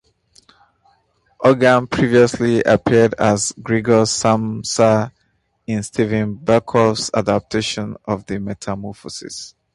Hogan previously appeared as Gregor Samsa in Steven Berkoff's adaptation of "The Metamorphosis".